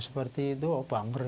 seperti itu bau banger